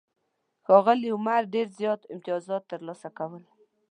ښاغلي عمر ډېر زیات امتیازات ترلاسه کول.